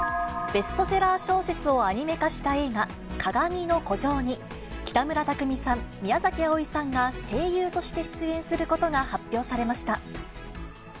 ベストセラー小説をアニメ化した映画、かがみの孤城に、北村匠海さん、宮崎あおいさんが声優として出演することが発表されました。